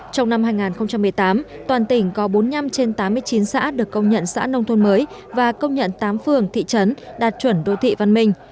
trong năm hai nghìn một mươi tám toàn tỉnh có bốn mươi năm trên tám mươi chín xã được công nhận xã nông thôn mới và công nhận tám phường thị trấn đạt chuẩn đô thị văn minh